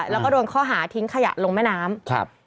แล้วก็โดนข้อหาทิ้งขยะลงแม่น้ำครับ